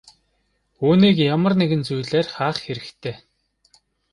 Үүнийг ямар нэгэн зүйлээр хаах хэрэгтэй.